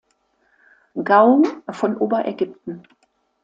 Gau von Oberägypten.